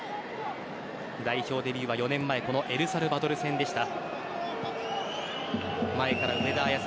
代表デビューは４年前エルサルバドル戦でした。